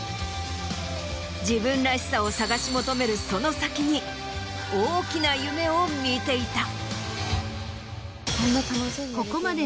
自分らしさを探し求めるその先に大きな夢を見ていた。